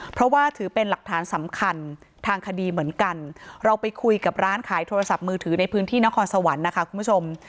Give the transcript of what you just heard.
เพราะว่าถือเป็นหลักฐานสำคัญทางคดีเหมือนกันเราไปคุยกับร้านขายโทรศัพท์มือถือในพื้นที่นครสวรรค์นะคะคุณผู้ชม